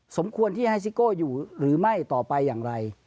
สมควรที่ให้ซิโก้อยู่หรือไม่ต่อไปอย่างไร